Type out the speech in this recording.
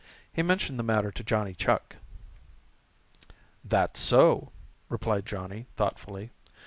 He mentioned the matter to Johnny Chuck. "That's so," replied Johnny thoughtfully.